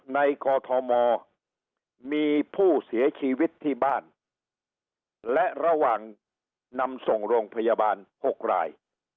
กอทมมีผู้เสียชีวิตที่บ้านและระหว่างนำส่งโรงพยาบาล๖ราย